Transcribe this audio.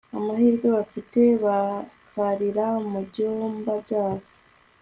amahirwe bafite bakarira mu byumba byabo